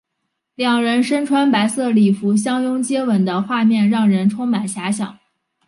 两人身穿白色礼服相拥接吻的画面让人充满遐想。